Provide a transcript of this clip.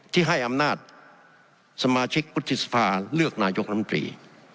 ที่ให้อำนาจสมาชิกวุฒิสภาเลือกนายกรรมตรี